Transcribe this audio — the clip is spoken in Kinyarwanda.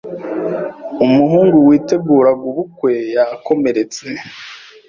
umuhungu witeguraga ubukwe yakomeretse